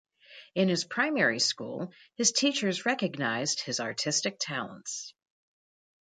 In his primary school his teachers recognized his artistic talents.